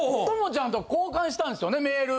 朋ちゃんと交換したんですよねメール。